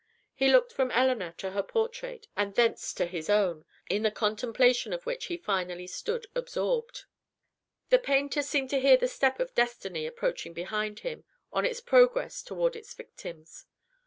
He looked from Elinor to her portrait, and thence to his own, in the contemplation of which he finally stood absorbed. The painter seemed to hear the step of Destiny approaching behind him, on its progress toward its victims.